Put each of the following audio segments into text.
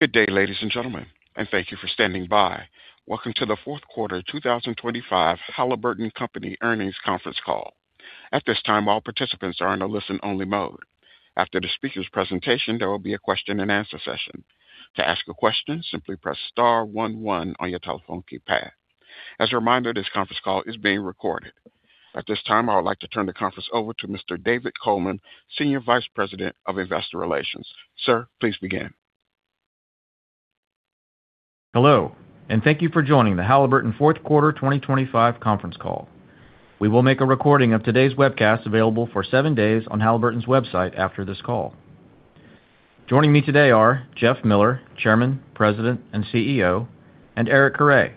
Good day, ladies and gentlemen, and thank you for standing by. Welcome to the Q4 2025 Halliburton Company Earnings Conference Call. At this time, all participants are in a listen-only mode. After the speaker's presentation, there will be a question-and-answer session. To ask a question, simply press star one one on your telephone keypad. As a reminder, this conference call is being recorded. At this time, I would like to turn the conference over to Mr. David Coleman, Senior Vice President of Investor Relations. Sir, please begin. Hello, and thank you for joining the Halliburton Q4 2025 Conference Call. We will make a recording of today's webcast available for seven days on Halliburton's website after this call. Joining me today are Jeff Miller, Chairman, President, and CEO, and Eric Carre,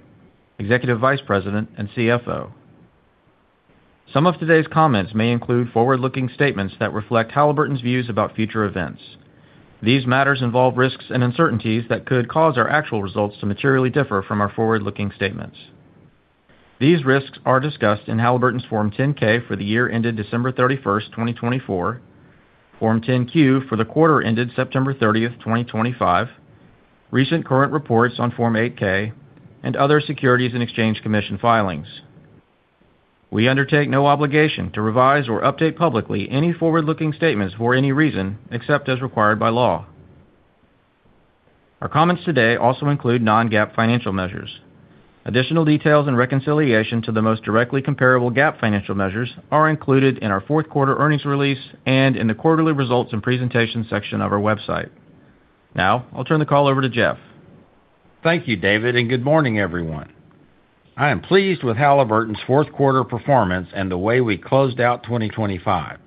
Executive Vice President and CFO. Some of today's comments may include forward-looking statements that reflect Halliburton's views about future events. These matters involve risks and uncertainties that could cause our actual results to materially differ from our forward-looking statements. These risks are discussed in Halliburton's Form 10-K for the year ended December 31st, 2024, Form 10-Q for the quarter ended September 30th, 2025, recent current reports on Form 8-K, and other Securities and Exchange Commission filings. We undertake no obligation to revise or update publicly any forward-looking statements for any reason except as required by law. Our comments today also include non-GAAP financial measures. Additional details and reconciliation to the most directly comparable GAAP financial measures are included in our Q4 earnings release and in the quarterly results and presentation section of our website. Now, I'll turn the call over to Jeff. Thank you, David, and good morning, everyone. I am pleased with Halliburton's Q4 performance and the way we closed out 2025.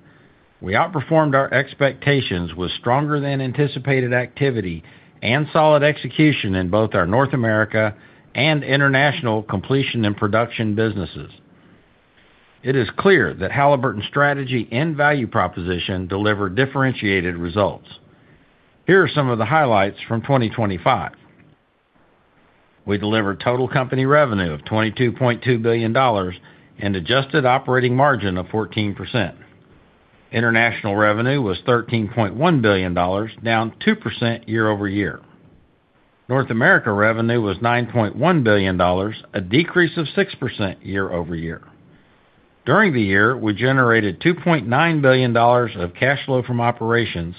We outperformed our expectations with stronger-than-anticipated activity and solid execution in both our North America and international completion and production businesses. It is clear that Halliburton's strategy and value proposition deliver differentiated results. Here are some of the highlights from 2025. We delivered total company revenue of $22.2 billion and adjusted operating margin of 14%. International revenue was $13.1 billion, down 2% year over year. North America revenue was $9.1 billion, a decrease of 6% year over year. During the year, we generated $2.9 billion of cash flow from operations,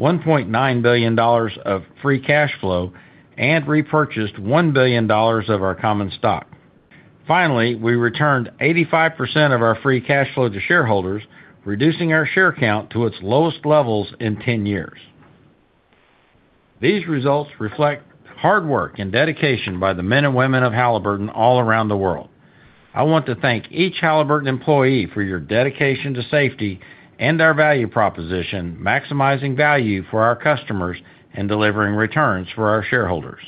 $1.9 billion of free cash flow, and repurchased $1 billion of our common stock. Finally, we returned 85% of our free cash flow to shareholders, reducing our share count to its lowest levels in 10 years. These results reflect hard work and dedication by the men and women of Halliburton all around the world. I want to thank each Halliburton employee for your dedication to safety and our value proposition, maximizing value for our customers and delivering returns for our shareholders.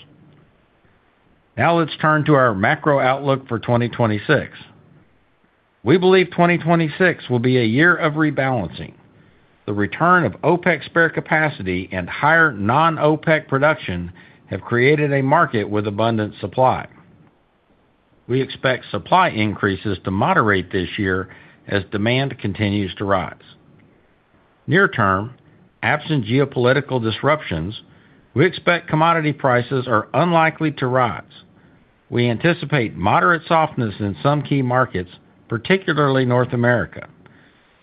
Now let's turn to our macro outlook for 2026. We believe 2026 will be a year of rebalancing. The return of OPEC spare capacity and higher non-OPEC production have created a market with abundant supply. We expect supply increases to moderate this year as demand continues to rise. Near-term, absent geopolitical disruptions, we expect commodity prices are unlikely to rise. We anticipate moderate softness in some key markets, particularly North America.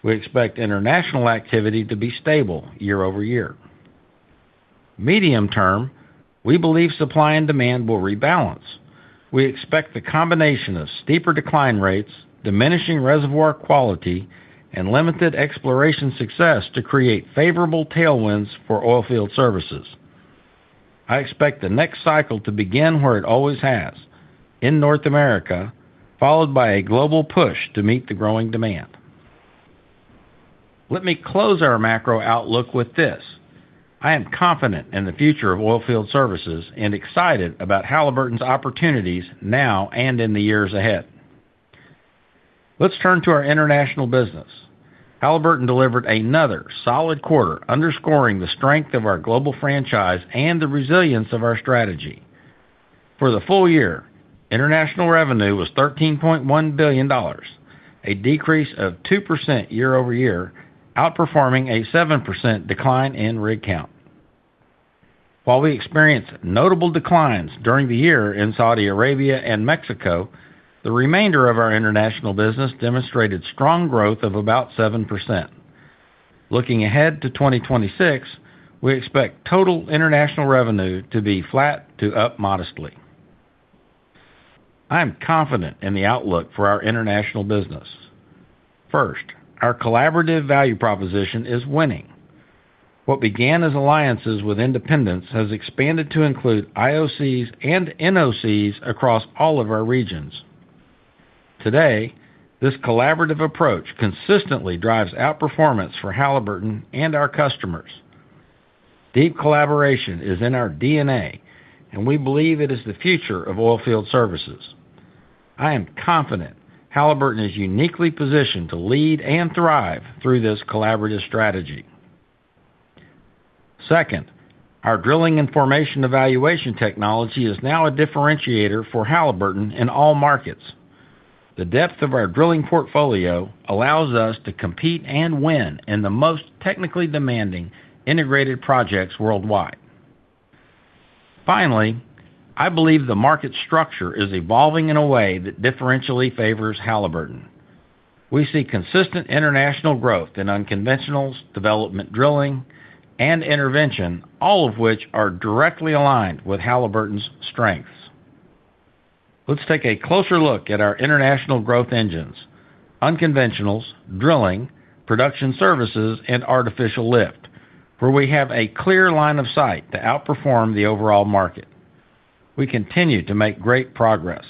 We expect international activity to be stable year over year. Medium-term, we believe supply and demand will rebalance. We expect the combination of steeper decline rates, diminishing reservoir quality, and limited exploration success to create favorable tailwinds for oilfield services. I expect the next cycle to begin where it always has: in North America, followed by a global push to meet the growing demand. Let me close our macro outlook with this: I am confident in the future of oilfield services and excited about Halliburton's opportunities now and in the years ahead. Let's turn to our international business. Halliburton delivered another solid quarter, underscoring the strength of our global franchise and the resilience of our strategy. For the full year, international revenue was $13.1 billion, a decrease of 2% year over year, outperforming a 7% decline in rig count. While we experienced notable declines during the year in Saudi Arabia and Mexico, the remainder of our international business demonstrated strong growth of about 7%. Looking ahead to 2026, we expect total international revenue to be flat to up modestly. I am confident in the outlook for our international business. First, our collaborative value proposition is winning. What began as alliances with independence has expanded to include IOCs and NOCs across all of our regions. Today, this collaborative approach consistently drives outperformance for Halliburton and our customers. Deep collaboration is in our DNA, and we believe it is the future of oilfield services. I am confident Halliburton is uniquely positioned to lead and thrive through this collaborative strategy. Second, our drilling and formation evaluation technology is now a differentiator for Halliburton in all markets. T he depth of our drilling portfolio allows us to compete and win in the most technically demanding integrated projects worldwide. Finally, I believe the market structure is evolving in a way that differentially favors Halliburton. We see consistent international growth in unconventionals, development, drilling, and intervention, all of which are directly aligned with Halliburton's strengths. Let's take a closer look at our international growth engines: unconventionals, drilling, production services, and artificial lift, where we have a clear line of sight to outperform the overall market. We continue to make great progress.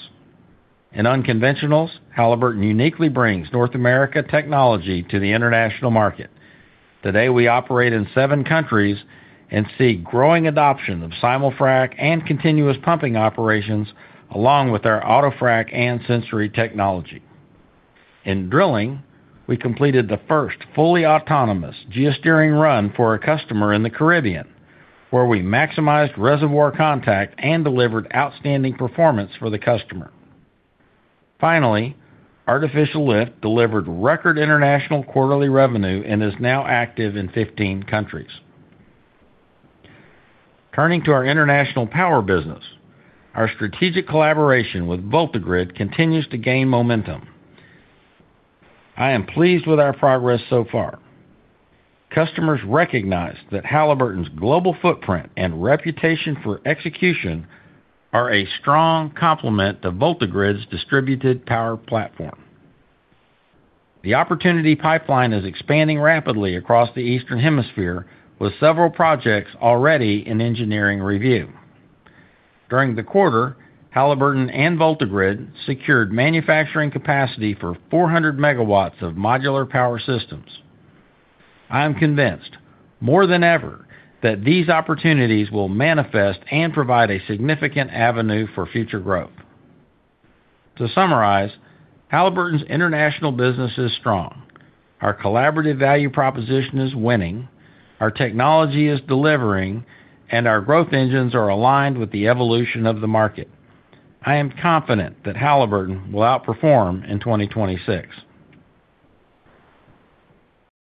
In unconventionals, Halliburton uniquely brings North America technology to the international market. Today, we operate in seven countries and see growing adoption of Simul-Frac and continuous pumping operations, along with our auto frac and sensor technology. In drilling, we completed the first fully autonomous geosteering run for a customer in the Caribbean, where we maximized reservoir contact and delivered outstanding performance for the customer. Finally, artificial lift delivered record international quarterly revenue and is now active in 15 countries. Turning to our international power business, our strategic collaboration with VoltaGrid continues to gain momentum. I am pleased with our progress so far. Customers recognize that Halliburton's global footprint and reputation for execution are a strong complement to VoltaGrid's distributed power platform. The opportunity pipeline is expanding rapidly across the Eastern Hemisphere, with several projects already in engineering review. During the quarter, Halliburton and VoltaGrid secured manufacturing capacity for 400 MW of modular power systems. I am convinced, more than ever, that these opportunities will manifest and provide a significant avenue for future growth. To summarize, Halliburton's international business is strong, our collaborative value proposition is winning, our technology is delivering, and our growth engines are aligned with the evolution of the market. I am confident that Halliburton will outperform in 2026.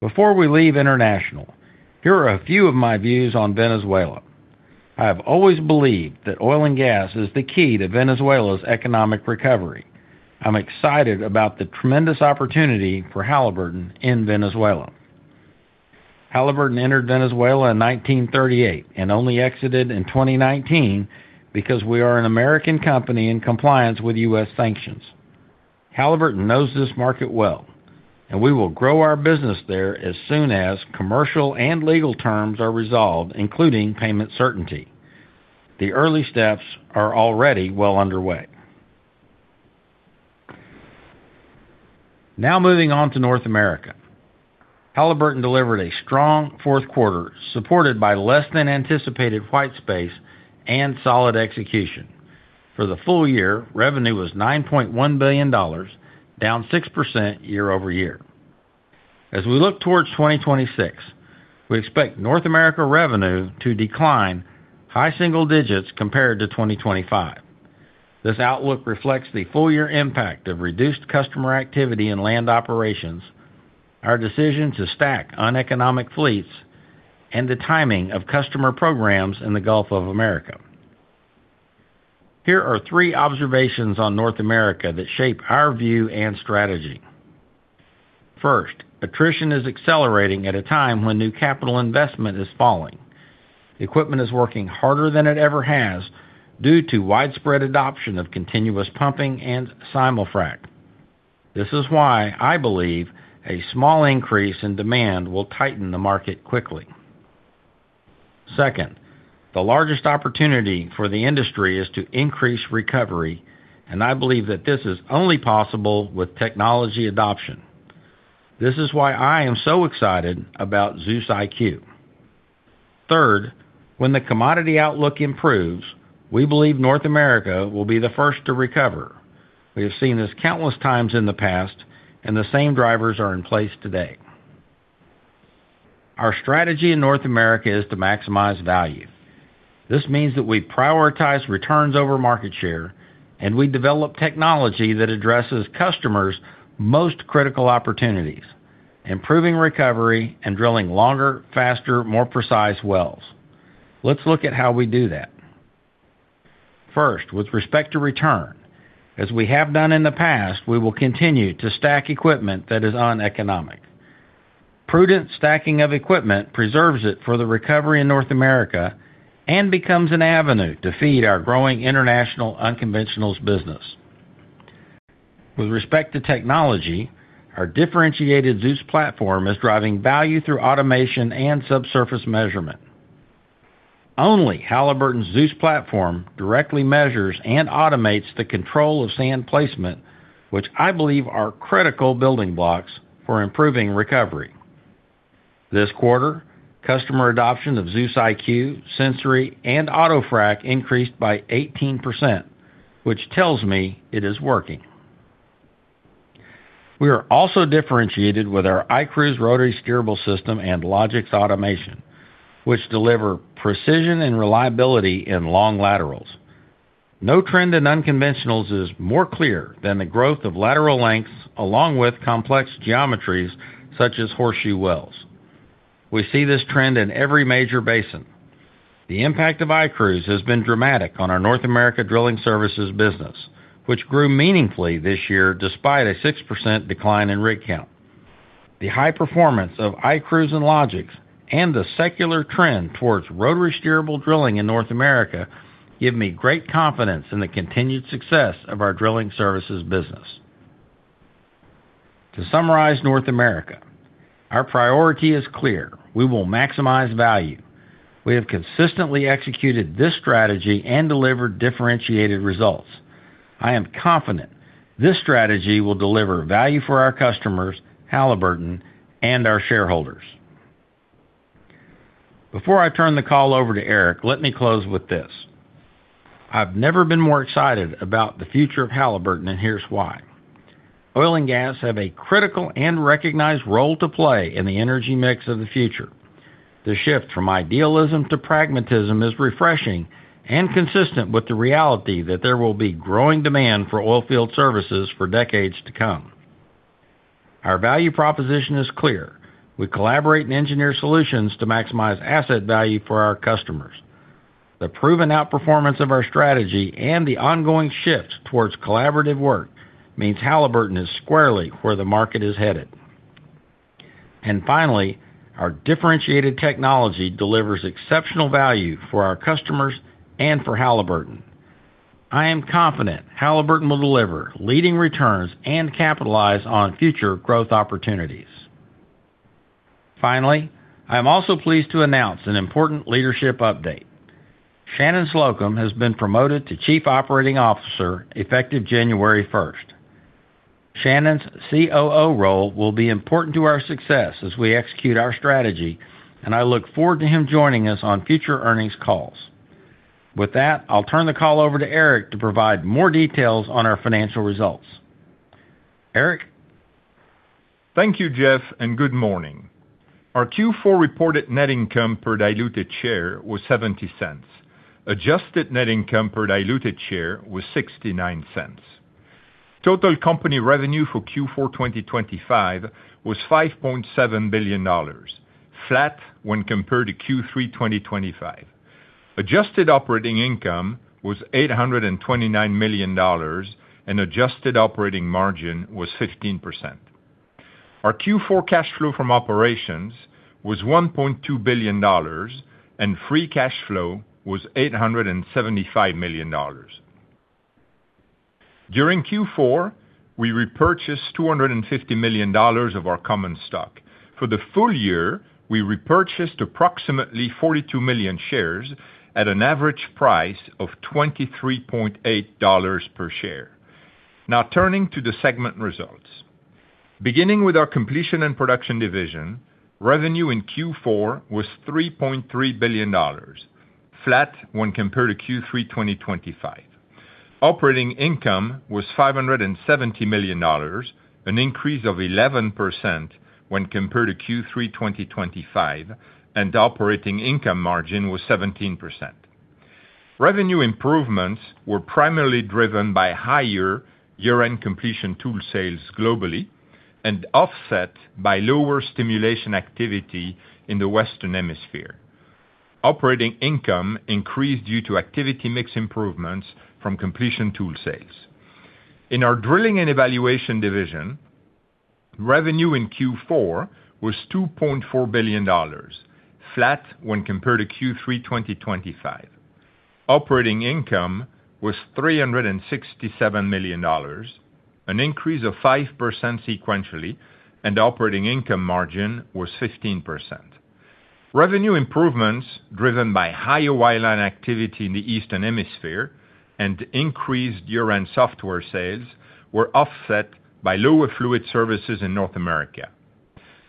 Before we leave international, here are a few of my views on Venezuela. I have always believed that oil and gas is the key to Venezuela's economic recovery. I'm excited about the tremendous opportunity for Halliburton in Venezuela. Halliburton entered Venezuela in 1938 and only exited in 2019 because we are an American company in compliance with U.S. sanctions. Halliburton knows this market well, and we will grow our business there as soon as commercial and legal terms are resolved, including payment certainty. The early steps are already well underway. Now moving on to North America. Halliburton delivered a strong Q4, supported by less-than-anticipated white space and solid execution. For the full year, revenue was $9.1 billion, down 6% year over year. As we look towards 2026, we expect North America revenue to decline, high single digits compared to 2025. This outlook reflects the full-year impact of reduced customer activity in land operations, our decision to stack uneconomic fleets, and the timing of customer programs in the Gulf of Mexico. Here are three observations on North America that shape our view and strategy. First, attrition is accelerating at a time when new capital investment is falling. Equipment is working harder than it ever has due to widespread adoption of continuous pumping and simul frac. This is why I believe a small increase in demand will tighten the market quickly. Second, the largest opportunity for the industry is to increase recovery, and I believe that this is only possible with technology adoption. This is why I am so excited about ZEUS IQ. Third, when the commodity outlook improves, we believe North America will be the first to recover. We have seen this countless times in the past, and the same drivers are in place today. Our strategy in North America is to maximize value. This means that we prioritize returns over market share, and we develop technology that addresses customers' most critical opportunities, improving recovery and drilling longer, faster, more precise wells. Let's look at how we do that. First, with respect to return, as we have done in the past, we will continue to stack equipment that is uneconomic. Prudent stacking of equipment preserves it for the recovery in North America and becomes an avenue to feed our growing international unconventionals business. With respect to technology, our differentiated Zeus platform is driving value through automation and subsurface measurement. Only Halliburton's Zeus platform directly measures and automates the control of sand placement, which I believe are critical building blocks for improving recovery. This quarter, customer adoption of ZEUS IQ, Sensori, and auto frac increased by 18%, which tells me it is working. We are also differentiated with our iCruise rotary steerable system and LOGIX automation, which deliver precision and reliability in long laterals. No trend in unconventionals is more clear than the growth of lateral lengths along with complex geometries such as horseshoe wells. We see this trend in every major basin. The impact of iCruise has been dramatic on our North America drilling services business, which grew meaningfully this year despite a 6% decline in rig count. The high performance of iCruise and LOGIX and the secular trend towards rotary steerable drilling in North America give me great confidence in the continued success of our drilling services business. To summarize North America, our priority is clear. We will maximize value. We have consistently executed this strategy and delivered differentiated results. I am confident this strategy will deliver value for our customers, Halliburton, and our shareholders. Before I turn the call over to Eric, let me close with this: I've never been more excited about the future of Halliburton, and here's why. Oil and gas have a critical and recognized role to play in the energy mix of the future. The shift from idealism to pragmatism is refreshing and consistent with the reality that there will be growing demand for oilfield services for decades to come. Our value proposition is clear. We collaborate and engineer solutions to maximize asset value for our customers. The proven outperformance of our strategy and the ongoing shift towards collaborative work means Halliburton is squarely where the market is headed. And finally, our differentiated technology delivers exceptional value for our customers and for Halliburton. I am confident Halliburton will deliver leading returns and capitalize on future growth opportunities. Finally, I am also pleased to announce an important leadership update. Shannon Slocum has been promoted to Chief Operating Officer effective January 1st. Shannon's COO role will be important to our success as we execute our strategy, and I look forward to him joining us on future earnings calls. With that, I'll turn the call over to Eric to provide more details on our financial results. Eric. Thank you, Jeff, and good morning. Our Q4 reported net income per diluted share was $0.70. Adjusted net income per diluted share was $0.69. Total company revenue for Q4 2025 was $5.7 billion, flat when compared to Q3 2025. Adjusted operating income was $829 million, and adjusted operating margin was 15%. Our Q4 cash flow from operations was $1.2 billion, and free cash flow was $875 million. During Q4, we repurchased $250 million of our common stock. For the full year, we repurchased approximately 42 million shares at an average price of $23.8 per share. Now turning to the segment results. Beginning with our completion and production division, revenue in Q4 was $3.3 billion, flat when compared to Q3 2025. Operating income was $570 million, an increase of 11% when compared to Q3 2025, and operating income margin was 17%. Revenue improvements were primarily driven by higher year-end completion tool sales globally and offset by lower stimulation activity in the Western Hemisphere. Operating income increased due to activity mix improvements from completion tool sales. In our drilling and evaluation division, revenue in Q4 was $2.4 billion, flat when compared to Q3 2025. Operating income was $367 million, an increase of 5% sequentially, and operating income margin was 15%. Revenue improvements driven by higher wireline activity in the Eastern Hemisphere and increased year-end software sales were offset by lower fluid services in North America.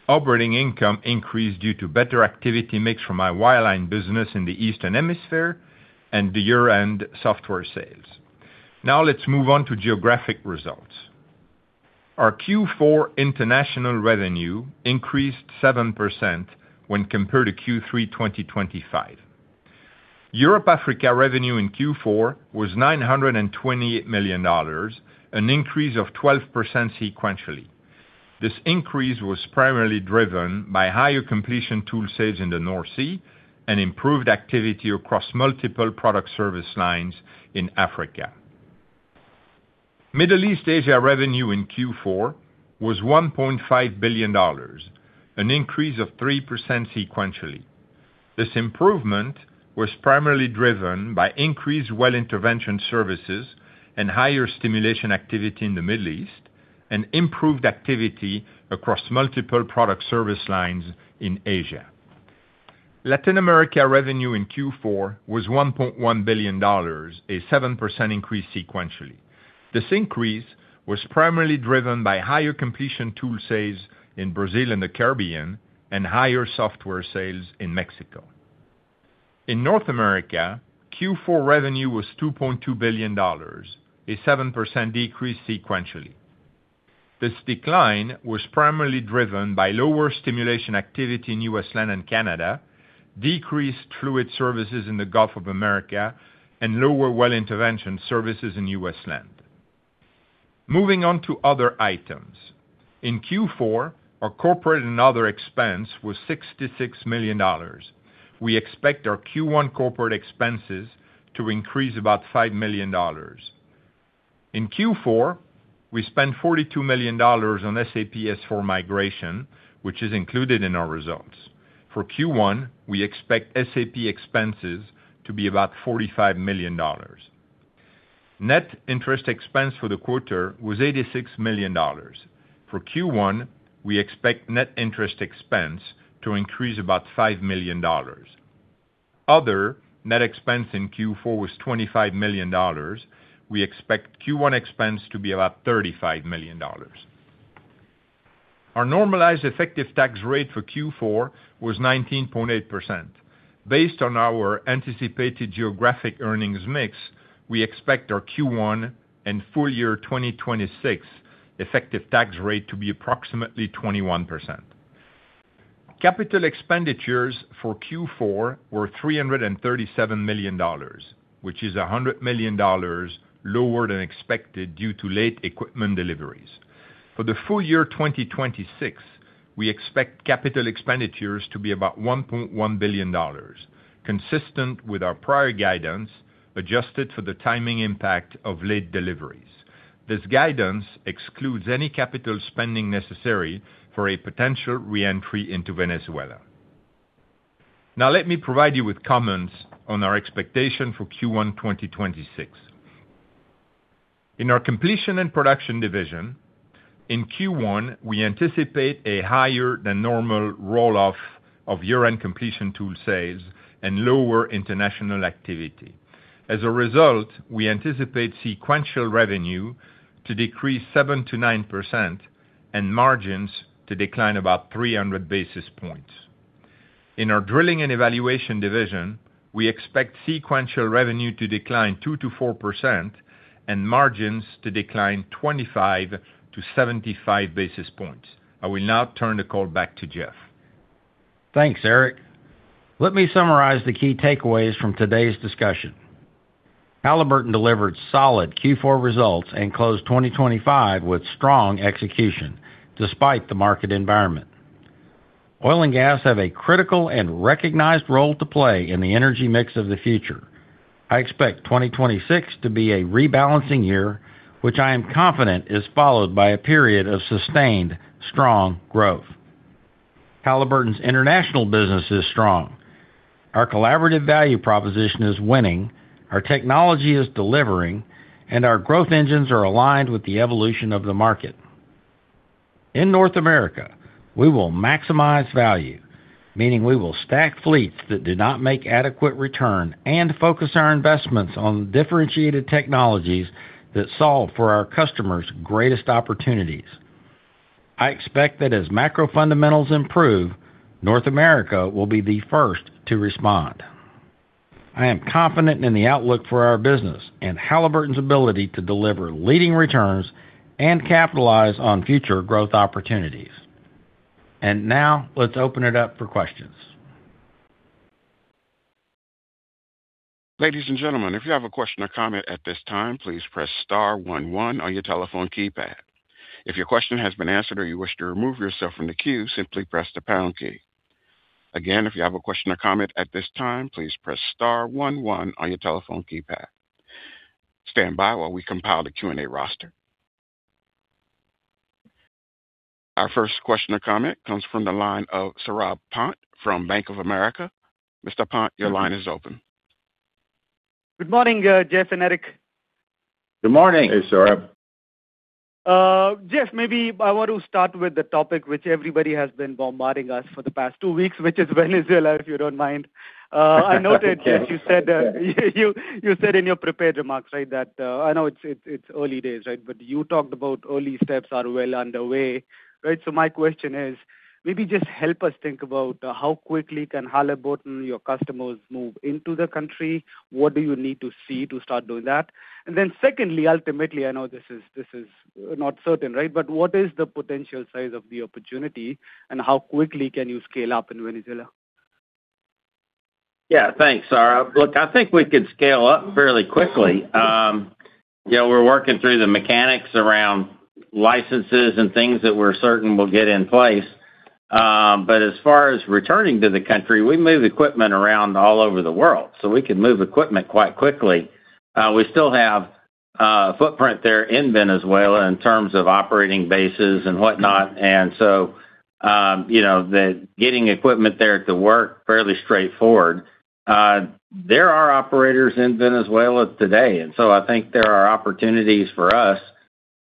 Operating income increased due to better activity mix from our wireline business in the Eastern Hemisphere and year-end software sales. Now let's move on to geographic results. Our Q4 international revenue increased 7% when compared to Q3 2025. Europe-Africa revenue in Q4 was $928 million, an increase of 12% sequentially. This increase was primarily driven by higher completion tool sales in the North Sea and improved activity across multiple product service lines in Africa. Middle East Asia revenue in Q4 was $1.5 billion, an increase of 3% sequentially. This improvement was primarily driven by increased well intervention services and higher stimulation activity in the Middle East and improved activity across multiple product service lines in Asia. Latin America revenue in Q4 was $1.1 billion, a 7% increase sequentially. This increase was primarily driven by higher completion tool sales in Brazil and the Caribbean and higher software sales in Mexico. In North America, Q4 revenue was $2.2 billion, a 7% decrease sequentially. This decline was primarily driven by lower stimulation activity in U.S. land and Canada, decreased fluid services in the Gulf of Mexico, and lower well intervention services in U.S. land. Moving on to other items. In Q4, our corporate and other expense was $66 million. We expect our Q1 corporate expenses to increase about $5 million. In Q4, we spent $42 million on SAP S/4HANA migration, which is included in our results. For Q1, we expect SAP expenses to be about $45 million. Net interest expense for the quarter was $86 million. For Q1, we expect net interest expense to increase about $5 million. Other net expense in Q4 was $25 million. We expect Q1 expense to be about $35 million. Our normalized effective tax rate for Q4 was 19.8%. Based on our anticipated geographic earnings mix, we expect our Q1 and full year 2026 effective tax rate to be approximately 21%. Capital expenditures for Q4 were $337 million, which is $100 million lower than expected due to late equipment deliveries. For the full year 2026, we expect capital expenditures to be about $1.1 billion, consistent with our prior guidance adjusted for the timing impact of late deliveries. This guidance excludes any capital spending necessary for a potential re-entry into Venezuela. Now let me provide you with comments on our expectation for Q1 2026. In our completion and production division, in Q1, we anticipate a higher than normal roll-off of year-end completion tool sales and lower international activity. As a result, we anticipate sequential revenue to decrease 7%-9% and margins to decline about 300 basis points. In our drilling and evaluation division, we expect sequential revenue to decline 2%-4% and margins to decline 25 to 75 basis points. I will now turn the call back to Jeff. Thanks, Eric. Let me summarize the key takeaways from today's discussion. Halliburton delivered solid Q4 results and closed 2025 with strong execution despite the market environment. Oil and gas have a critical and recognized role to play in the energy mix of the future. I expect 2026 to be a rebalancing year, which I am confident is followed by a period of sustained strong growth. Halliburton's international business is strong. Our collaborative value proposition is winning, our technology is delivering, and our growth engines are aligned with the evolution of the market. In North America, we will maximize value, meaning we will stack fleets that do not make adequate return and focus our investments on differentiated technologies that solve for our customers' greatest opportunities. I expect that as macro fundamentals improve, North America will be the first to respond. I am confident in the outlook for our business and Halliburton's ability to deliver leading returns and capitalize on future growth opportunities. And now let's open it up for questions. Ladies and gentlemen, if you have a question or comment at this time, please press star one one on your telephone keypad. If your question has been answered or you wish to remove yourself from the queue, simply press the pound key. Again, if you have a question or comment at this time, please press star one one on your telephone keypad. Stand by while we compile the Q&A roster. Our first question or comment comes from the line of Saurabh Pant from Bank of America. Mr. Pant, your line is open. Good morning, Jeff and Eric. Good morning. Hey, Saurabh. Jeff, maybe I want to start with the topic which everybody has been bombarding us for the past two weeks, which is Venezuela, if you don't mind. I noted, Jeff, you said in your prepared remarks, right, that I know it's early days, right, but you talked about early steps are well underway. Right? So my question is, maybe just help us think about how quickly can Halliburton, your customers, move into the country? What do you need to see to start doing that? And then secondly, ultimately, I know this is not certain, right, but what is the potential size of the opportunity and how quickly can you scale up in Venezuela? Yeah, thanks, Saurabh. Look, I think we could scale up fairly quickly. We're working through the mechanics around licenses and things that we're certain will get in place. But as far as returning to the country, we move equipment around all over the world, so we can move equipment quite quickly. We still have a footprint there in Venezuela in terms of operating bases and whatnot. And so getting equipment there to work is fairly straightforward. There are operators in Venezuela today, and so I think there are opportunities for us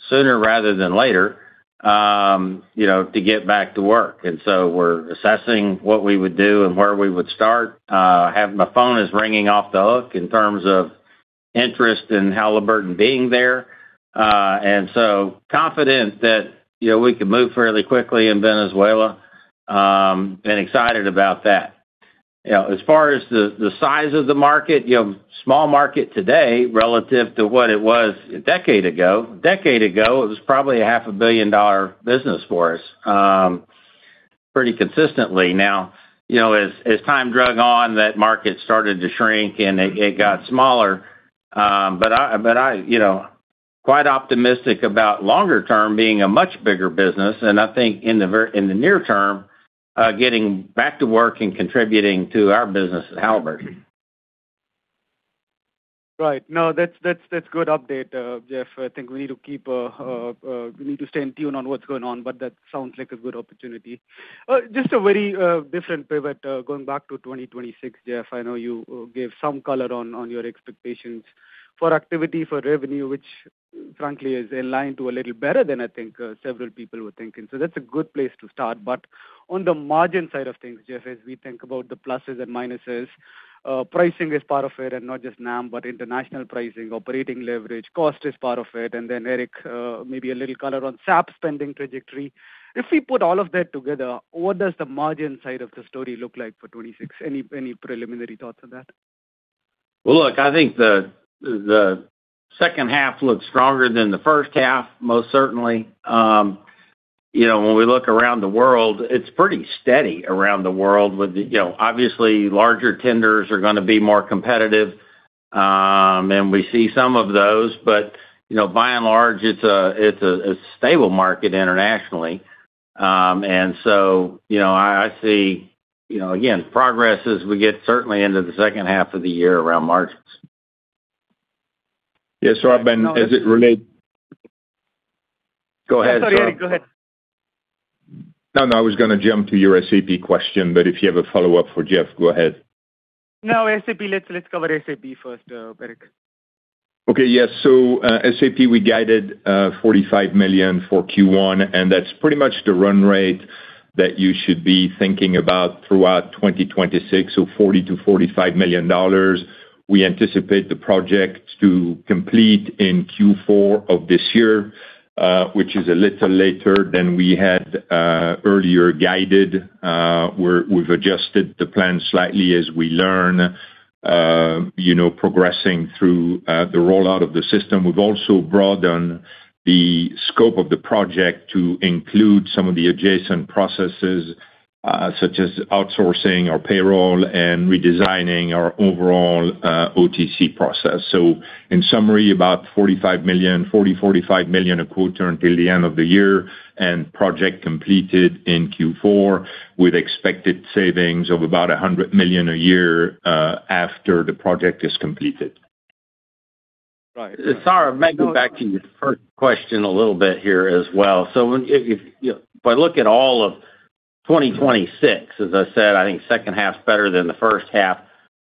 sooner rather than later to get back to work. And so we're assessing what we would do and where we would start. My phone is ringing off the hook in terms of interest in Halliburton being there. And so confident that we could move fairly quickly in Venezuela and excited about that. As far as the size of the market, small market today relative to what it was a decade ago, a decade ago, it was probably a $500 million business for us pretty consistently. Now, as time dragged on, that market started to shrink and it got smaller. But I'm quite optimistic about longer term being a much bigger business. And I think in the near term, getting back to work and contributing to our business at Halliburton. Right. No, that's a good update, Jeff. I think we need to keep stay in tune on what's going on, but that sounds like a good opportunity. Just a very different pivot going back to 2026, Jeff. I know you gave some color on your expectations for activity, for revenue, which frankly is in line to a little better than I think several people were thinking. So that's a good place to start. But on the margin side of things, Jeff, as we think about the pluses and minuses, pricing is part of it and not just NAM, but international pricing, operating leverage, cost is part of it. And then, Eric, maybe a little color on SAP spending trajectory. If we put all of that together, what does the margin side of the story look like for 2026? Any preliminary thoughts on that? Well, look, I think the second half looks stronger than the first half, most certainly. When we look around the world, it's pretty steady around the world. Obviously, larger tenders are going to be more competitive, and we see some of those. But by and large, it's a stable market internationally. And so I see, again, progress as we get certainly into the second half of the year around margins. Yeah, Saurabh, and as it relates. Go ahead, Saurabh. Sorry, Eric, go ahead. No, no, I was going to jump to your SAP question, but if you have a follow-up for Jeff, go ahead. No, SAP, let's cover SAP first, Eric. Okay, yeah. So SAP, we guided $45 million for Q1, and that's pretty much the run rate that you should be thinking about throughout 2026, so $40-45 million. We anticipate the project to complete in Q4 of this year, which is a little later than we had earlier guided. We've adjusted the plan slightly as we learn, progressing through the rollout of the system. We've also broadened the scope of the project to include some of the adjacent processes, such as outsourcing our payroll and redesigning our overall OTC process. So in summary, about $40 million, $45 million a quarter until the end of the year and project completed in Q4 with expected savings of about $100 million a year after the project is completed. Right. Saurabh, maybe back to your first question a little bit here as well. So if I look at all of 2026, as I said, I think second half's better than the first half.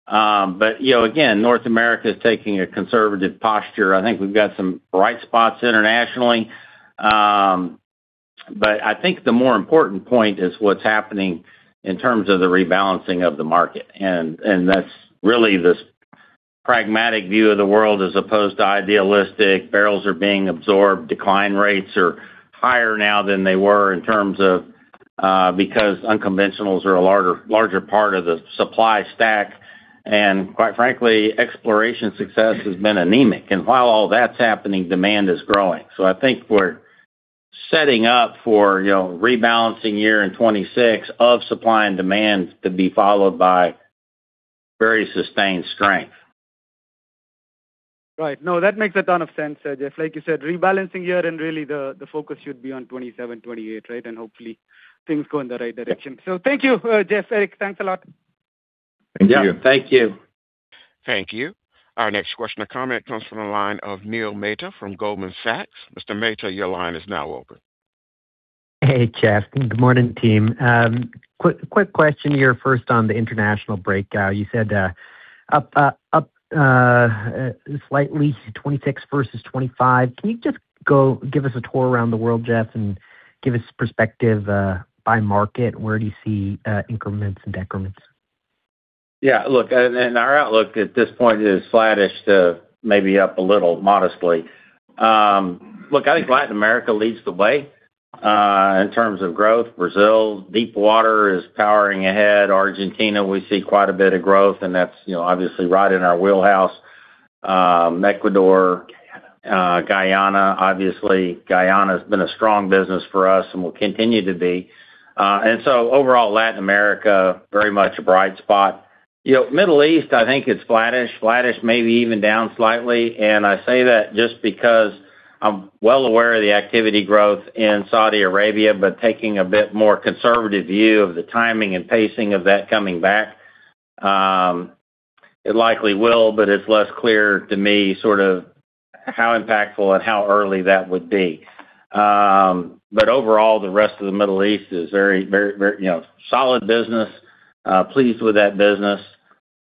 But again, North America is taking a conservative posture. I think we've got some bright spots internationally. But I think the more important point is what's happening in terms of the rebalancing of the market. And that's really this pragmatic view of the world as opposed to idealistic barrels are being absorbed. Decline rates are higher now than they were in terms of because unconventionals are a larger part of the supply stack. And quite frankly, exploration success has been anemic. And while all that's happening, demand is growing. So I think we're setting up for a rebalancing year in 2026 of supply and demand to be followed by very sustained strength. Right. No, that makes a ton of sense, Jeff. Like you said, rebalancing year, and really the focus should be on 2027, 2028, right? And hopefully, things go in the right direction. So thank you, Jeff. Eric, thanks a lot. Thank you. Yeah, thank you. Thank you. Our next question or comment comes from the line of Neil Mehta from Goldman Sachs. Mr. Mehta, your line is now open. Hey, Jeff. Good morning, team. Quick question here first on the international breakdown. You said up slightly 2026 versus 2025. Can you just go give us a tour around the world, Jeff, and give us perspective by market? Where do you see increments and decrements? Yeah. Look, and our outlook at this point is flatish to maybe up a little modestly. Look, I think Latin America leads the way in terms of growth. Brazil, deep water is powering ahead. Argentina, we see quite a bit of growth, and that's obviously right in our wheelhouse. Ecuador, Guyana, obviously. Guyana has been a strong business for us and will continue to be. And so overall, Latin America, very much a bright spot. Middle East, I think it's flatish, flatish, maybe even down slightly. And I say that just because I'm well aware of the activity growth in Saudi Arabia, but taking a bit more conservative view of the timing and pacing of that coming back. It likely will, but it's less clear to me sort of how impactful and how early that would be. But overall, the rest of the Middle East is very, very solid business, pleased with that business.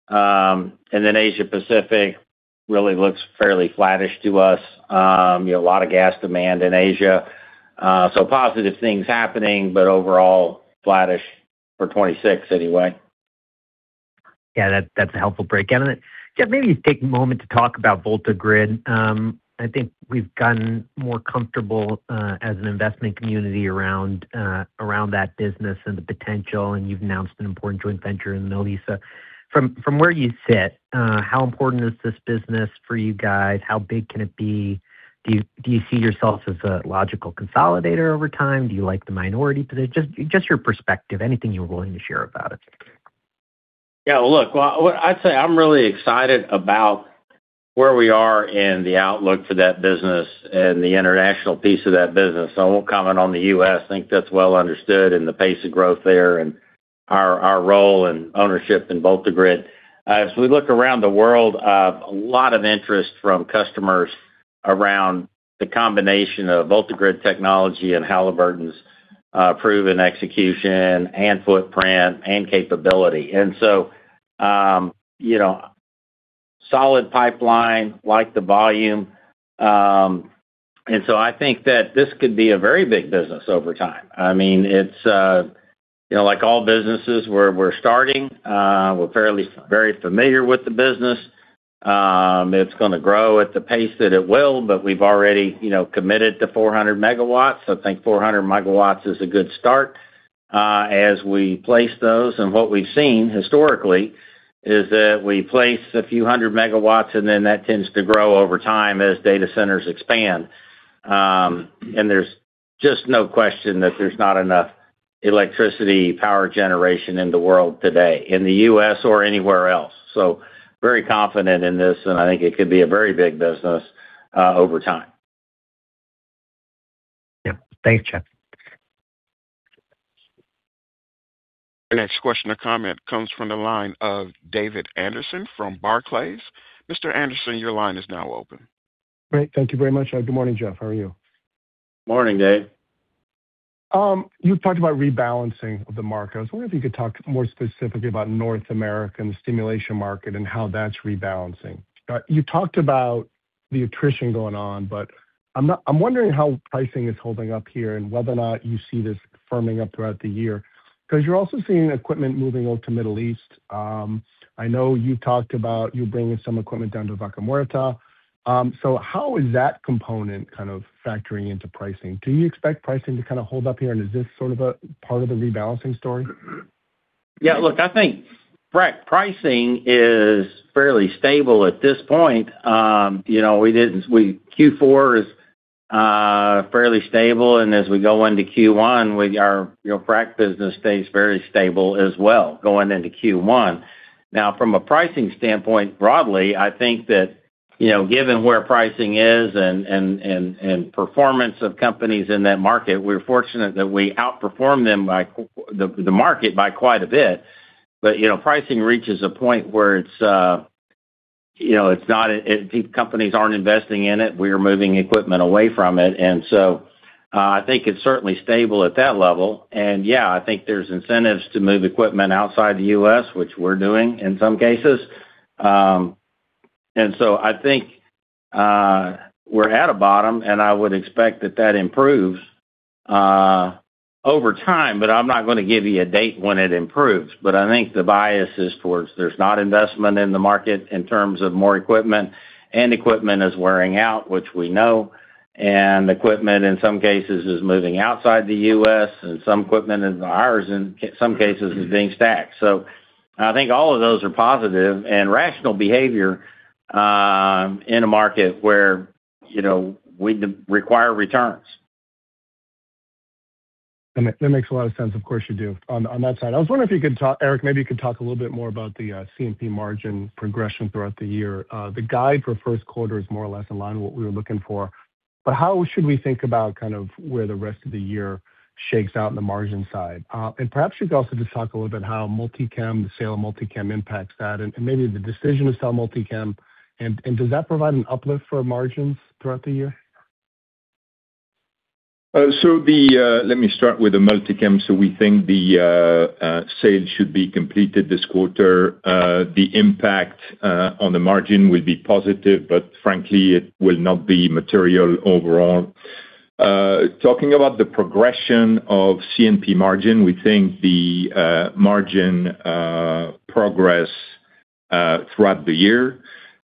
And then Asia-Pacific really looks fairly flatish to us. A lot of gas demand in Asia. So positive things happening, but overall flatish for 2026 anyway. Yeah, that's a helpful breakdown. Jeff, maybe take a moment to talk about VoltaGrid. I think we've gotten more comfortable as an investment community around that business and the potential, and you've announced an important joint venture in the Middle East. So from where you sit, how important is this business for you guys? How big can it be? Do you see yourself as a logical consolidator over time? Do you like the minority position? Just your perspective, anything you're willing to share about it. Yeah. Look, I'd say I'm really excited about where we are in the outlook for that business and the international piece of that business. I won't comment on the U.S. I think that's well understood in the pace of growth there and our role and ownership in VoltaGrid. As we look around the world, a lot of interest from customers around the combination of VoltaGrid technology and Halliburton's proven execution and footprint and capability. And so solid pipeline, like the volume. And so I think that this could be a very big business over time. I mean, it's like all businesses where we're starting. We're very familiar with the business. It's going to grow at the pace that it will, but we've already committed to 400 MWs. I think 400 MWs is a good start as we place those. And what we've seen historically is that we place a few hundred MWs, and then that tends to grow over time as data centers expand. And there's just no question that there's not enough electricity power generation in the world today in the US or anywhere else. So very confident in this, and I think it could be a very big business over time. Yep. Thanks, Jeff. Our next question or comment comes from the line of David Anderson from Barclays. Mr. Anderson, your line is now open. Great. Thank you very much. Good morning, Jeff. How are you? Morning, Dave. You talked about rebalancing of the market. I was wondering if you could talk more specifically about North America and the stimulation market and how that's rebalancing. You talked about the attrition going on, but I'm wondering how pricing is holding up here and whether or not you see this firming up throughout the year. Because you're also seeing equipment moving over to the Middle East. I know you talked about you bringing some equipment down to Vaca Muerta. So how is that component kind of factoring into pricing? Do you expect pricing to kind of hold up here, and is this sort of a part of the rebalancing story? Yeah. Look, I think frac pricing is fairly stable at this point. Q4 is fairly stable, and as we go into Q1, our frac business stays fairly stable as well going into Q1. Now, from a pricing standpoint, broadly, I think that given where pricing is and performance of companies in that market, we're fortunate that we outperform the market by quite a bit. But pricing reaches a point where it's not. Companies aren't investing in it. We are moving equipment away from it. And so I think it's certainly stable at that level. And yeah, I think there's incentives to move equipment outside the U.S., which we're doing in some cases. And so I think we're at a bottom, and I would expect that that improves over time, but I'm not going to give you a date when it improves. But I think the bias is towards there's not investment in the market in terms of more equipment, and equipment is wearing out, which we know. And equipment, in some cases, is moving outside the U.S., and some equipment in ours, in some cases, is being stacked. So I think all of those are positive and rational behavior in a market where we require returns. That makes a lot of sense. Of course, you do. On that side, I was wondering if you could talk, Eric, maybe you could talk a little bit more about the C&P margin progression throughout the year. The guide for Q1 is more or less in line with what we were looking for. But how should we think about kind of where the rest of the year shakes out on the margin side? And perhaps you could also just talk a little bit about how Multi-Chem, the sale of Multi-Chem impacts that, and maybe the decision to sell Multi-Chem. And does that provide an uplift for margins throughout the year? So let me start with the Multi-Chem. So we think the sale should be completed this quarter. The impact on the margin will be positive, but frankly, it will not be material overall. Talking about the progression of CMP margin, we think the margin progress throughout the year.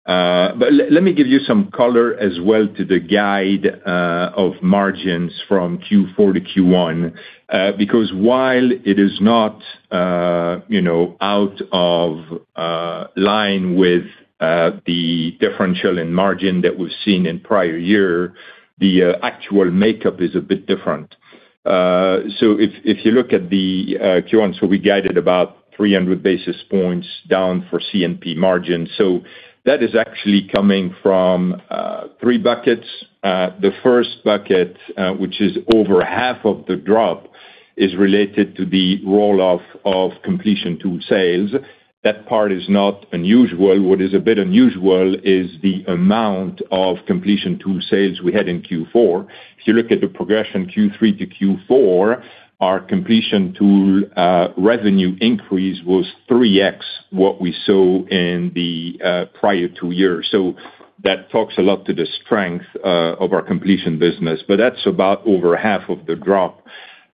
But let me give you some color as well to the guide of margins from Q4 to Q1. Because while it is not out of line with the differential in margin that we've seen in prior years, the actual makeup is a bit different. So if you look at the Q1, so we guided about 300 basis points down for CMP margin. So that is actually coming from three buckets. The first bucket, which is over half of the drop, is related to the roll-off of completion tool sales. That part is not unusual. What is a bit unusual is the amount of completion tool sales we had in Q4. If you look at the progression Q3 to Q4, our completion tool revenue increase was 3X what we saw in the prior two years. So that talks a lot to the strength of our completion business. But that's about over half of the drop.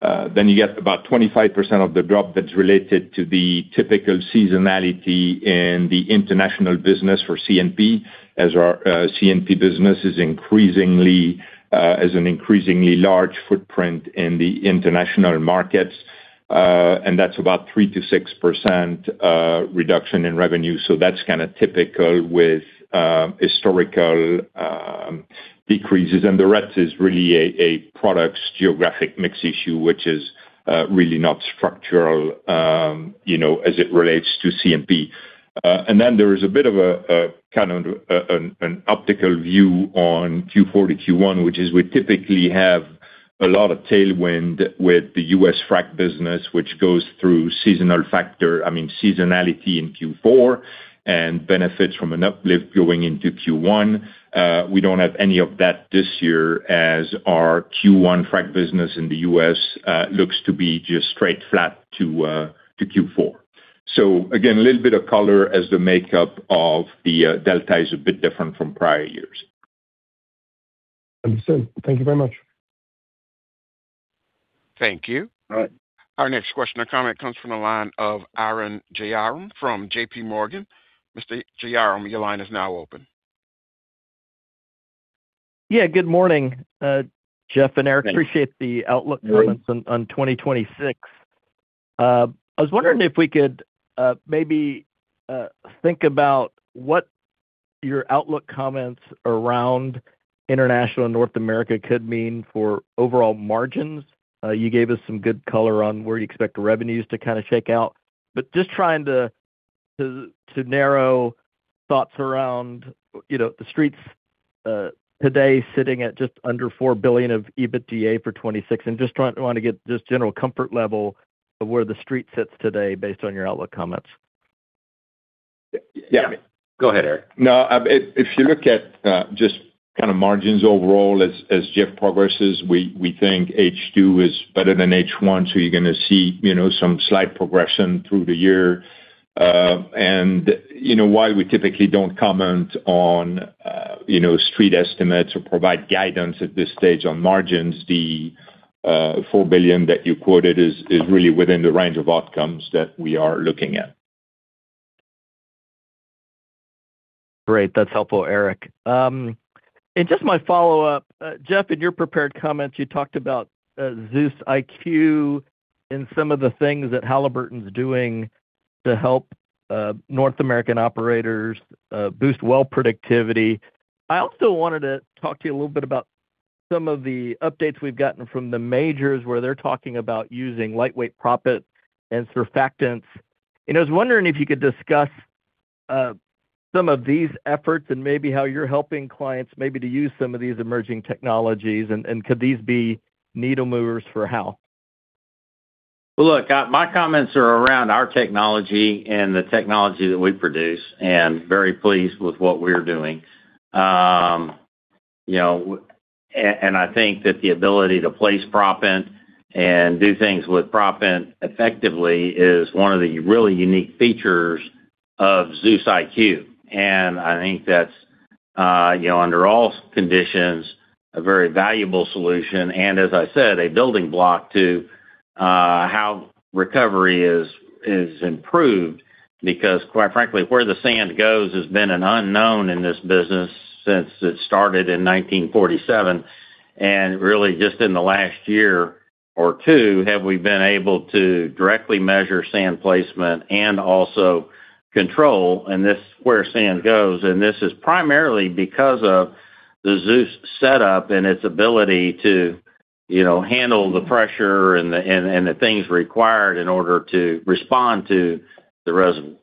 Then you get about 25% of the drop that's related to the typical seasonality in the international business for CMP as our CMP business increasingly has an increasingly large footprint in the international markets. And that's about 3%-6% reduction in revenue. So that's kind of typical with historical decreases. And the rest is really a product's geographic mix issue, which is really not structural as it relates to CMP. And then there is a bit of an optical view on Q4 to Q1, which is we typically have a lot of tailwind with the U.S. frac business, which goes through seasonal factor, I mean, seasonality in Q4 and benefits from an uplift going into Q1. We don't have any of that this year as our Q1 frac business in the U.S. looks to be just straight flat to Q4. So again, a little bit of color as the makeup of the delta is a bit different from prior years. Understood. Thank you very much. Thank you. All right. Our next question or comment comes from the line of Arun Jayaram from JPMorgan. Mr. Jayaram, your line is now open. Yeah. Good morning, Jeff and Eric. Appreciate the outlook comments on 2026. I was wondering if we could maybe think about what your outlook comments around international North America could mean for overall margins. You gave us some good color on where you expect revenues to kind of shake out. But just trying to narrow thoughts around the streets today sitting at just under $4 billion of EBITDA for 2026. Just want to get just general comfort level of where the street sits today based on your outlook comments. Yeah. Go ahead, Eric. No, if you look at just kind of margins overall as Jeff progresses, we think H2 is better than H1, so you're going to see some slight progression through the year. While we typically don't comment on street estimates or provide guidance at this stage on margins, the $4 billion that you quoted is really within the range of outcomes that we are looking at. Great. That's helpful, Eric. Just my follow-up, Jeff, in your prepared comments, you talked about ZEUS IQ and some of the things that Halliburton's doing to help North American operators boost well predictivity. I also wanted to talk to you a little bit about some of the updates we've gotten from the majors where they're talking about using lightweight proppant and surfactants. And I was wondering if you could discuss some of these efforts and maybe how you're helping clients maybe to use some of these emerging technologies, and could these be needle movers for how? Well, look, my comments are around our technology and the technology that we produce and very pleased with what we're doing. And I think that the ability to place proppant and do things with proppant effectively is one of the really unique features of ZEUS IQ. And I think that's under all conditions a very valuable solution and, as I said, a building block to how recovery is improved. Because quite frankly, where the sand goes has been an unknown in this business since it started in 1947, and really, just in the last year or two, have we been able to directly measure sand placement and also control where sand goes, and this is primarily because of the Zeus setup and its ability to handle the pressure and the things required in order to respond to the reservoir.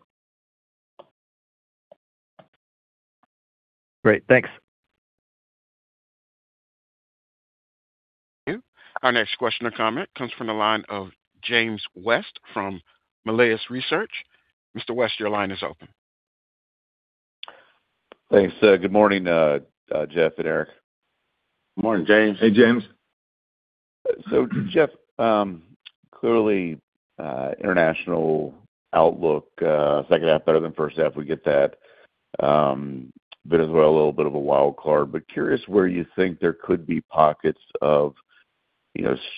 Great. Thanks. Thank you. Our next question or comment comes from the line of James West from Melius Research. Mr. West, your line is open. Thanks. Good morning, Jeff and Eric. Good morning, James. Hey, James. So Jeff, clearly international outlook, second half better than first half. We get that, but as well, a little bit of a wild card. But, curious where you think there could be pockets of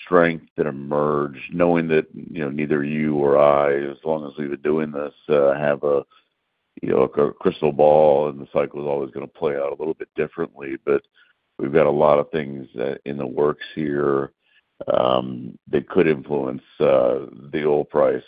strength that emerge, knowing that neither you or I, as long as we've been doing this, have a crystal ball and the cycle is always going to play out a little bit differently. But we've got a lot of things in the works here that could influence the oil price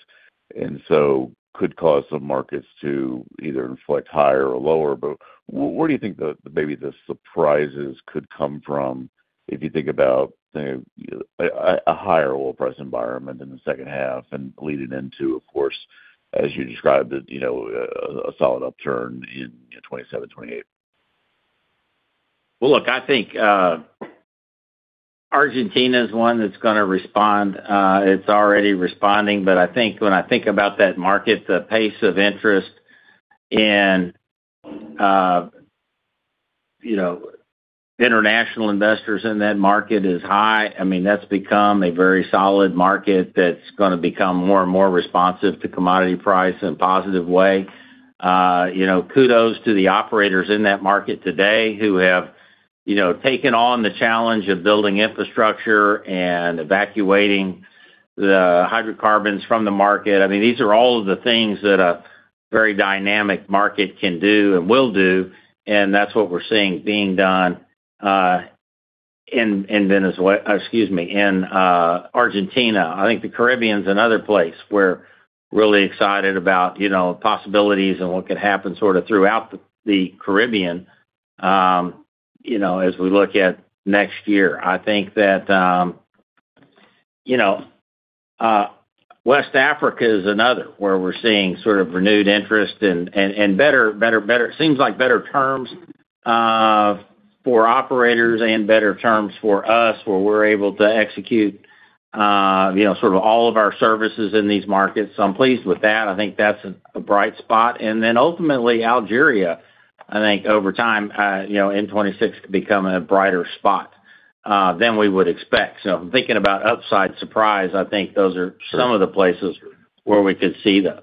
and so could cause some markets to either inflect higher or lower. But where do you think maybe the surprises could come from if you think about a higher oil price environment in the second half and leading into, of course, as you described, a solid upturn in 2027, 2028? Well, look, I think Argentina is one that's going to respond. It's already responding. But I think when I think about that market, the pace of interest in international investors in that market is high. I mean, that's become a very solid market that's going to become more and more responsive to commodity price in a positive way. Kudos to the operators in that market today who have taken on the challenge of building infrastructure and evacuating the hydrocarbons from the market. I mean, these are all of the things that a very dynamic market can do and will do, and that's what we're seeing being done in Venezuela or, excuse me, in Argentina. I think the Caribbean's another place we're really excited about the possibilities and what could happen sort of throughout the Caribbean as we look at next year. I think that West Africa is another where we're seeing sort of renewed interest and better, seems like better terms for operators and better terms for us where we're able to execute sort of all of our services in these markets. So I'm pleased with that. I think that's a bright spot. And then ultimately, Algeria, I think over time in 2026 could become a brighter spot than we would expect. So I'm thinking about upside surprise. I think those are some of the places where we could see those.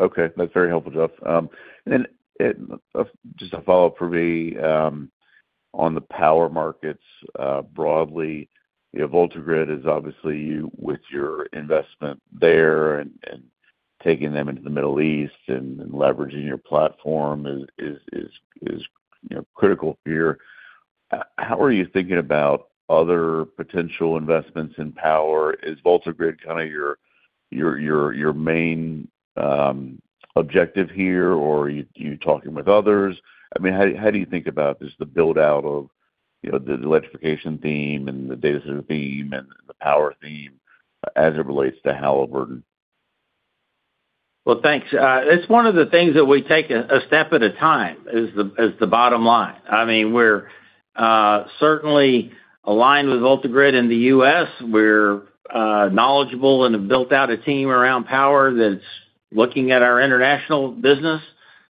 Okay. That's very helpful, Jeff. And just a follow-up for me on the power markets broadly. VoltaGrid is obviously you with your investment there and taking them into the Middle East and leveraging your platform is critical here. How are you thinking about other potential investments in power? Is VoltaGrid kind of your main objective here, or are you talking with others? I mean, how do you think about just the build-out of the electrification theme and the data center theme and the power theme as it relates to Halliburton? Well, thanks. It's one of the things that we take a step at a time is the bottom line. I mean, we're certainly aligned with VoltaGrid in the U.S. We're knowledgeable and have built out a team around power that's looking at our international business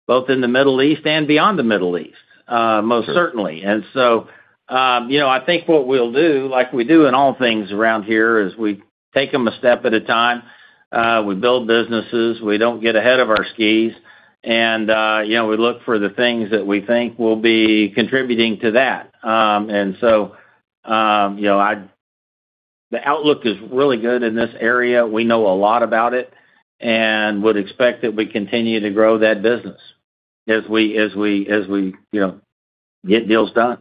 both in the Middle East and beyond the Middle East, most certainly. And so I think what we'll do, like we do in all things around here, is we take them a step at a time. We build businesses. We don't get ahead of our skis. And we look for the things that we think will be contributing to that. And so the outlook is really good in this area. We know a lot about it and would expect that we continue to grow that business as we get deals done.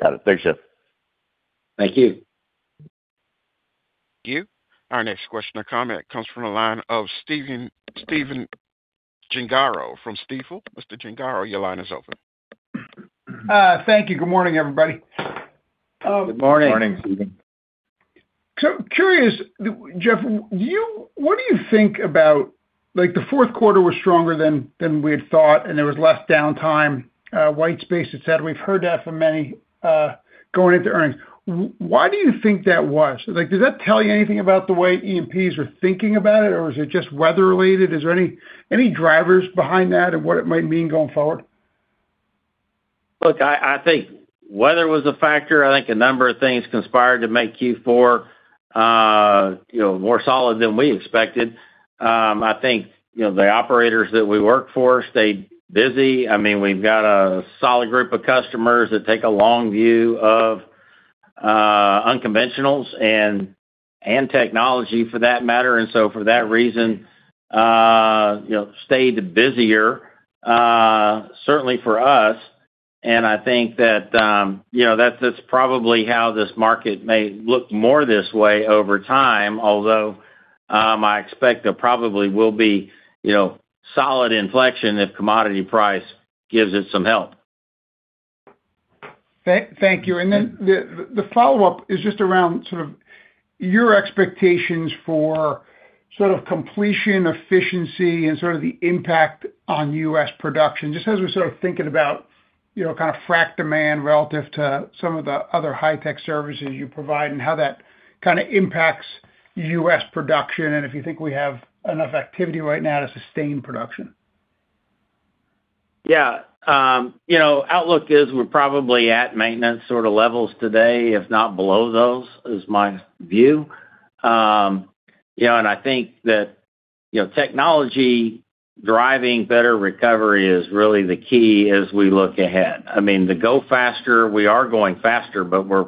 Got it. Thanks, Jeff. Thank you. Thank you. Our next question or comment comes from the line of Stephen Gengaro from Stifel. Mr. Gengaro, your line is open. Thank you. Good morning, everybody. Good morning. Good morning, Stephen. Curious, Jeff, what do you think about the Q4 was stronger than we had thought, and there was less downtime, white space, etc.? We've heard that from many going into earnings. Why do you think that was? Does that tell you anything about the way EMPs were thinking about it, or is it just weather-related? Is there any drivers behind that and what it might mean going forward? Look, I think weather was a factor. I think a number of things conspired to make Q4 more solid than we expected. I think the operators that we work for stayed busy. I mean, we've got a solid group of customers that take a long view of unconventionals and technology for that matter. And so for that reason, stayed busier, certainly for us. And I think that that's probably how this market may look more this way over time, although I expect there probably will be solid inflection if commodity price gives it some help. Thank you. And then the follow-up is just around sort of your expectations for sort of completion efficiency and sort of the impact on U.S. production, just as we're sort of thinking about kind of frac demand relative to some of the other high-tech services you provide and how that kind of impacts U.S. production and if you think we have enough activity right now to sustain production. Yeah. Outlook is we're probably at maintenance sort of levels today, if not below those, is my view. I think that technology driving better recovery is really the key as we look ahead. I mean, the go faster, we are going faster, but we're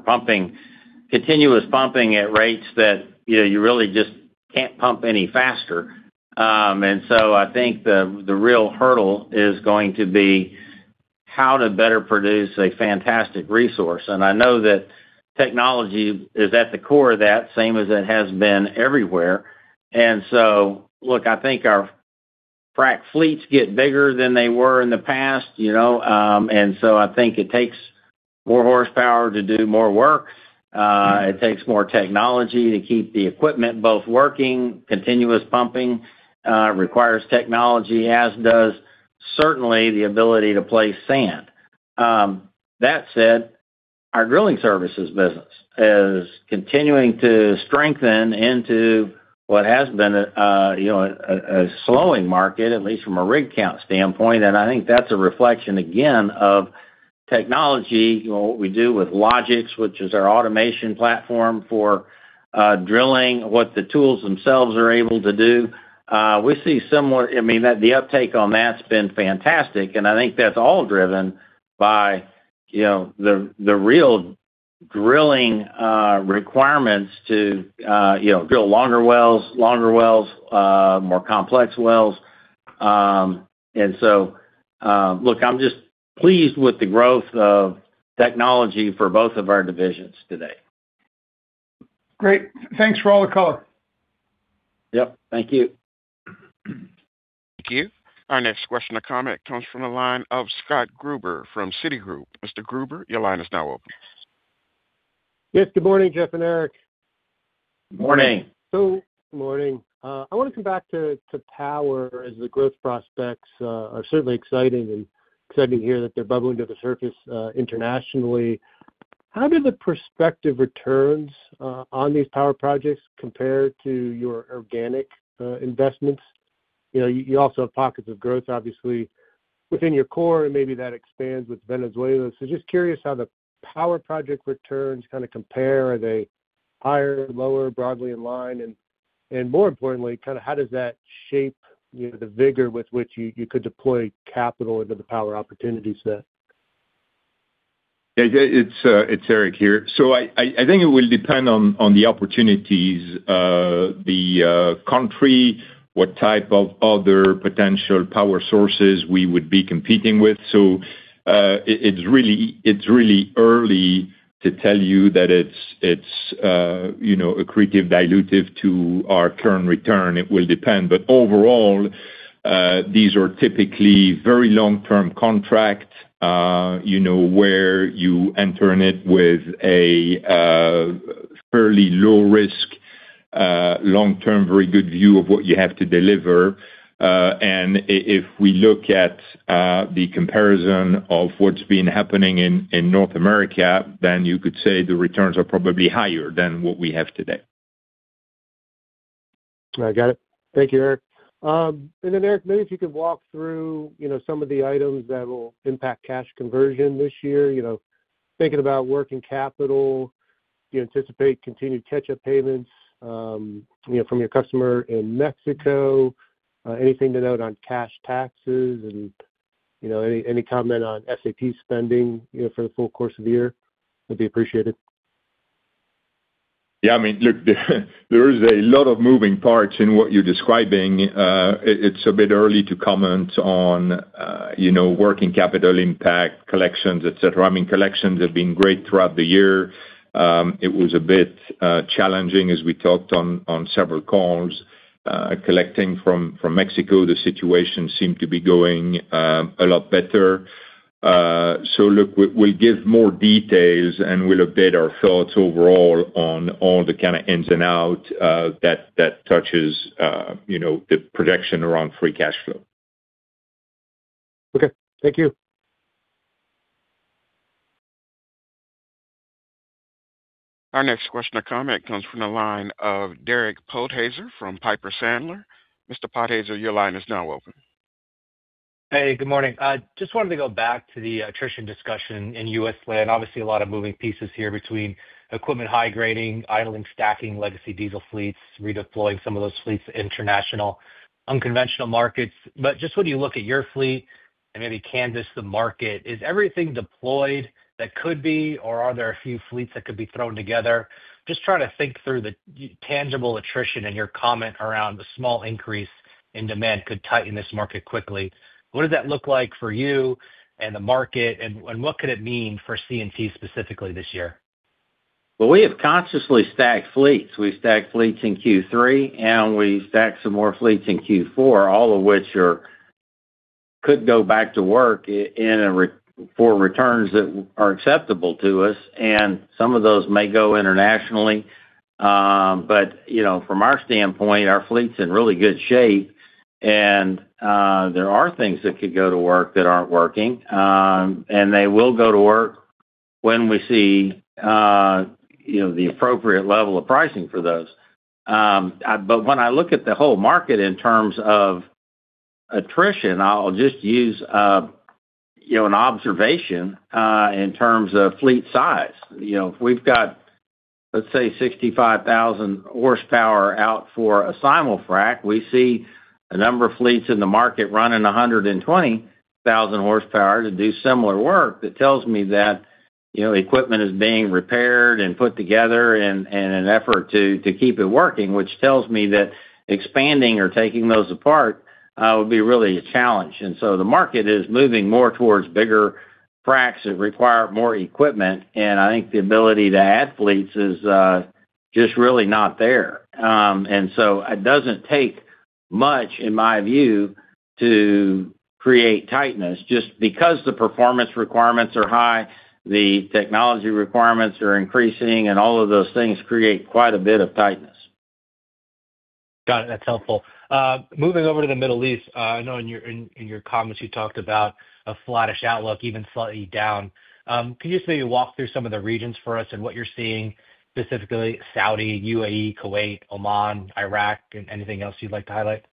continuous pumping at rates that you really just can't pump any faster. So I think the real hurdle is going to be how to better produce a fantastic resource. I know that technology is at the core of that, same as it has been everywhere. Look, I think our frac fleets get bigger than they were in the past. So I think it takes more horsepower to do more work. It takes more technology to keep the equipment both working. Continuous pumping requires technology, as does certainly the ability to place sand. That said, our drilling services business is continuing to strengthen into what has been a slowing market, at least from a rig count standpoint. I think that's a reflection, again, of technology, what we do with LOGIX, which is our automation platform for drilling, what the tools themselves are able to do. We see somewhat, I mean, the uptake on that's been fantastic. And I think that's all driven by the real drilling requirements to drill longer wells, longer wells, more complex wells. And so, look, I'm just pleased with the growth of technology for both of our divisions today. Great. Thanks for the color. Yep. Thank you. Thank you. Our next question or comment comes from the line of Scott Gruber from Citigroup. Mr. Gruber, your line is now open. Yes. Good morning, Jeff and Eric. Good morning. So good morning. I want to come back to power as the growth prospects are certainly exciting and exciting to hear that they're bubbling to the surface internationally. How do the prospective returns on these power projects compare to your organic investments? You also have pockets of growth, obviously, within your core, and maybe that expands with Venezuela. So just curious how the power project returns kind of compare. Are they higher, lower, broadly in line? And more importantly, kind of how does that shape the vigor with which you could deploy capital into the power opportunity set? Yeah. It's Eric here. So I think it will depend on the opportunities, the country, what type of other potential power sources we would be competing with. So it's really early to tell you that it's accretive or dilutive to our current return. It will depend. But overall, these are typically very long-term contracts where you enter into it with a fairly low-risk, long-term, very good view of what you have to deliver. And if we look at the comparison of what's been happening in North America, then you could say the returns are probably higher than what we have today. I got it. Thank you, Eric. And then, Eric, maybe if you could walk through some of the items that will impact cash conversion this year, thinking about working capital, you anticipate continued catch-up payments from your customer in Mexico, anything to note on cash taxes, and any comment on SAP spending for the full course of the year. That'd be appreciated. Yeah. I mean, look, there is a lot of moving parts in what you're describing. It's a bit early to comment on working capital impact, collections, etc. I mean, collections have been great throughout the year. It was a bit challenging as we talked on several calls. Collecting from Mexico, the situation seemed to be going a lot better. So look, we'll give more details and we'll update our thoughts overall on all the kind of ins and outs that touches the projection around free cash flow. Okay. Thank you. Our next question or comment comes from the line of Derek Podhaizer from Piper Sandler. Mr. Podhaizer, your line is now open. Hey, good morning. Just wanted to go back to the attrition discussion in U.S. land. Obviously, a lot of moving pieces here between equipment high grading, idling, stacking, legacy diesel fleets, redeploying some of those fleets to international unconventional markets. But just when you look at your fleet and maybe canvass the market, is everything deployed that could be, or are there a few fleets that could be thrown together? Just trying to think through the tangible attrition and your comment around a small increase in demand could tighten this market quickly. What does that look like for you and the market, and what could it mean for C&T specifically this year? We have consciously stacked fleets. We've stacked fleets in Q3, and we've stacked some more fleets in Q4, all of which could go back to work for returns that are acceptable to us. Some of those may go internationally. From our standpoint, our fleets are in really good shape, and there are things that could go to work that aren't working. They will go to work when we see the appropriate level of pricing for those. When I look at the whole market in terms of attrition, I'll just use an observation in terms of fleet size. If we've got, let's say, 65,000 horsepower out for a simul frac, we see a number of fleets in the market running 120,000 horsepower to do similar work. That tells me that equipment is being repaired and put together in an effort to keep it working, which tells me that expanding or taking those apart would be really a challenge. And so the market is moving more towards bigger fracs that require more equipment. And I think the ability to add fleets is just really not there. And so it doesn't take much, in my view, to create tightness. Just because the performance requirements are high, the technology requirements are increasing, and all of those things create quite a bit of tightness. Got it. That's helpful. Moving over to the Middle East, I know in your comments you talked about a flattish outlook, even slightly down. Can you just maybe walk through some of the regions for us and what you're seeing, specifically Saudi, UAE, Kuwait, Oman, Iraq, and anything else you'd like to highlight?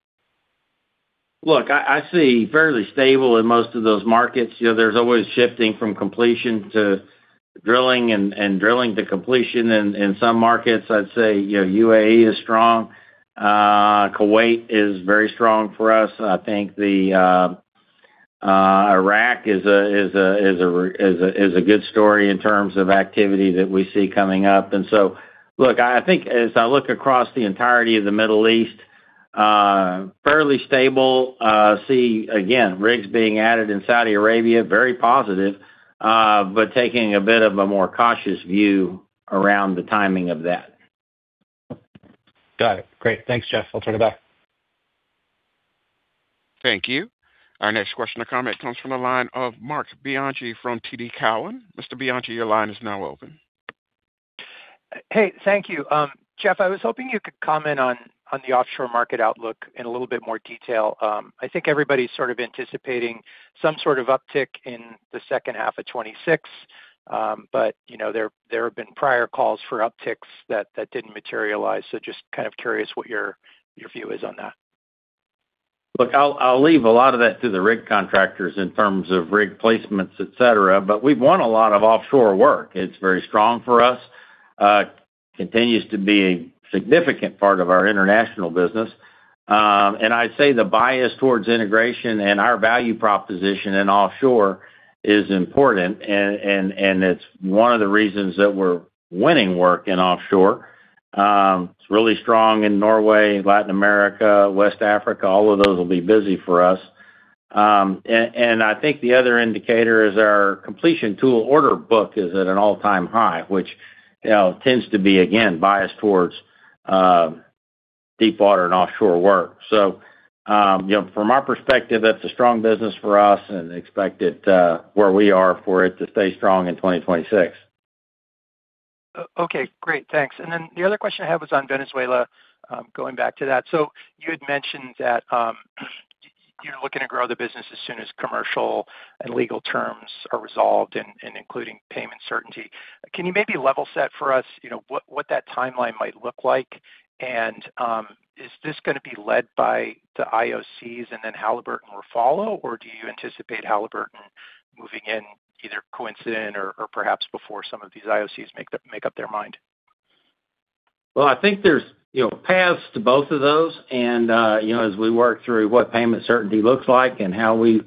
Look, I see fairly stable in most of those markets. There's always shifting from completion to drilling and drilling to completion. In some markets, I'd say UAE is strong. Kuwait is very strong for us. I think Iraq is a good story in terms of activity that we see coming up. And so, look, I think as I look across the entirety of the Middle East, fairly stable. See, again, rigs being added in Saudi Arabia, very positive, but taking a bit of a more cautious view around the timing of that. Got it. Great. Thanks, Jeff. I'll turn it back. Thank you. Our next question or comment comes from the line of Marc Bianchi from TD Cowen. Mr. Bianchi, your line is now open. Hey, thank you. Jeff, I was hoping you could comment on the offshore market outlook in a little bit more detail. I think everybody's sort of anticipating some sort of uptick in the second half of 2026, but there have been prior calls for upticks that didn't materialize. So just kind of curious what your view is on that. Look, I'll leave a lot of that to the rig contractors in terms of rig placements, etc., but we've won a lot of offshore work. It's very strong for us. Continues to be a significant part of our international business. And I'd say the bias towards integration and our value proposition in offshore is important, and it's one of the reasons that we're winning work in offshore. It's really strong in Norway, Latin America, West Africa. All of those will be busy for us. And I think the other indicator is our completion tool order book is at an all-time high, which tends to be, again, biased towards deep water and offshore work. So from our perspective, that's a strong business for us and expect where we are for it to stay strong in 2026. Okay. Great. Thanks. And then the other question I have was on Venezuela, going back to that. So you had mentioned that you're looking to grow the business as soon as commercial and legal terms are resolved and including payment certainty. Can you maybe level set for us what that timeline might look like? And is this going to be led by the IOCs and then Halliburton will follow, or do you anticipate Halliburton moving in either coincident or perhaps before some of these IOCs make up their mind? Well, I think there's paths to both of those. And as we work through what payment certainty looks like and how we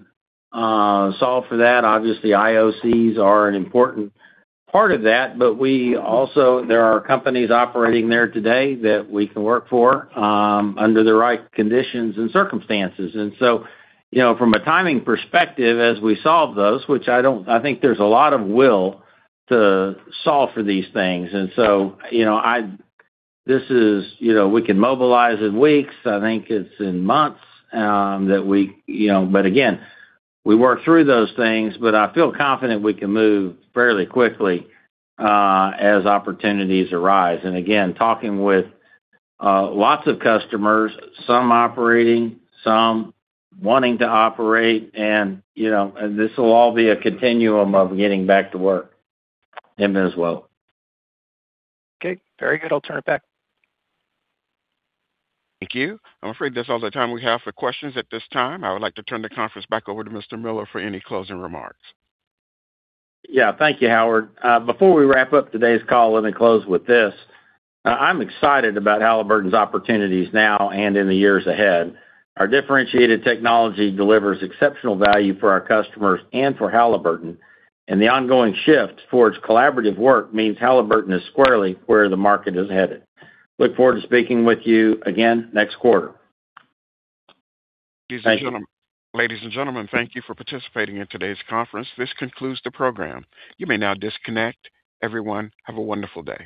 solve for that, obviously, IOCs are an important part of that. But there are companies operating there today that we can work for under the right conditions and circumstances. And so from a timing perspective, as we solve those, which I think there's a lot of will to solve for these things. And so this is we can mobilize in weeks. I think it's in months that we but again, we work through those things, but I feel confident we can move fairly quickly as opportunities arise. And again, talking with lots of customers, some operating, some wanting to operate, and this will all be a continuum of getting back to work in Venezuela. Okay. Very good. I'll turn it back. Thank you. I'm afraid that's all the time we have for questions at this time. I would like to turn the conference back over to Mr. Miller for any closing remarks. Yeah. Thank you, Howard. Before we wrap up today's call, let me close with this. I'm excited about Halliburton's opportunities now and in the years ahead. Our differentiated technology delivers exceptional value for our customers and for Halliburton, and the ongoing shift towards collaborative work means Halliburton is squarely where the market is headed. Look forward to speaking with you again next quarter. Ladies and gentlemen, thank you for participating in today's conference. This concludes the program. You may now disconnect. Everyone, have a wonderful day.